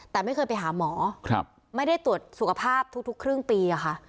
แต่ไม่เคยไปหาหมอไม่ได้ตรวจสุขภาพทุกครึ่งปีค่ะ